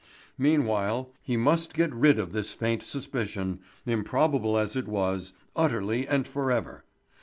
Meanwhile he must get rid of this faint suspicion, improbable as it was, utterly and forever.